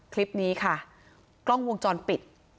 คลิปนี้ค่ะกล้องวงจรปิด